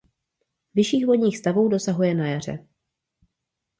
Vyšších vodních stavů dosahuje na jaře.